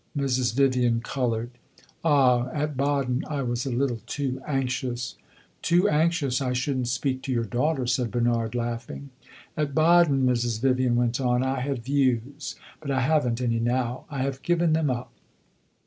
Mrs. Vivian colored. "Ah, at Baden I was a little too anxious!" "Too anxious I should n't speak to your daughter!" said Bernard, laughing. "At Baden," Mrs. Vivian went on, "I had views. But I have n't any now I have given them up."